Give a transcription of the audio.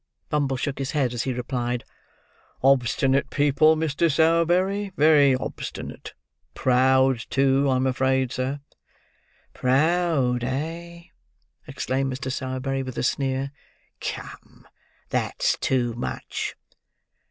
Bumble shook his head, as he replied, "Obstinate people, Mr. Sowerberry; very obstinate. Proud, too, I'm afraid, sir." "Proud, eh?" exclaimed Mr. Sowerberry with a sneer. "Come, that's too much."